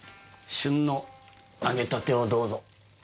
旬の揚げたてをどうぞ。